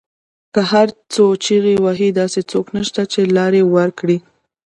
که هر څو چیغې وهي داسې څوک نشته، چې لار ورکړی